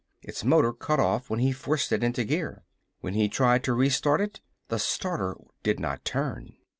Its motor cut off when he forced it into gear. When he tried to re start it, the starter did not turn.